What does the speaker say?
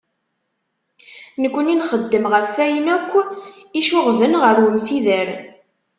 Nekni, nxeddem ɣef wayen yakk icuɣben ɣer umsider.